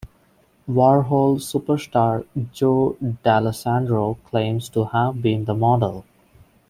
Warhol "superstar" Joe Dallesandro claims to have been the model.